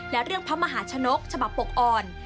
และเรื่องพระมหาชนกฉบับปกอ่อน